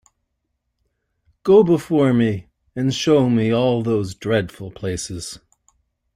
Go before me and show me all those dreadful places.